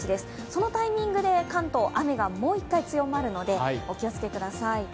そのタイミングで関東、雨がもう一回強まるのでお気を付けください。